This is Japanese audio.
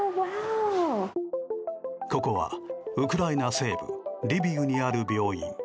ここはウクライナ西部リビウにある病院。